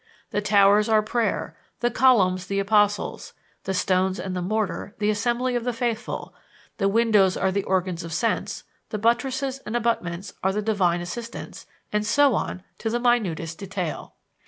The towers are prayer, the columns the apostles, the stones and the mortar the assembly of the faithful; the windows are the organs of sense, the buttresses and abutments are the divine assistance; and so on to the minutest detail.